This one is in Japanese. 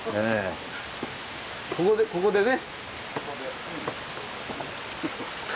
ここでね。